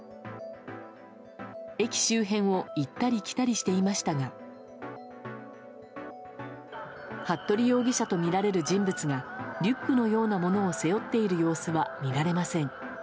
駅周辺を行ったり来たりしていましたが服部容疑者とみられる人物がリュックのようなものを背負っている様子は見られません。